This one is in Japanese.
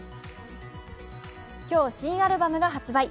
今日新アルバムが発売。